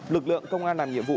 lực lượng công an làm nhiệm vụ